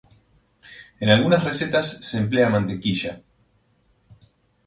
En algunas recetas se emplea mantequilla.